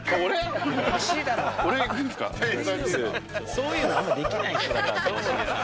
そういうのあんまりできない人だからともしげさん。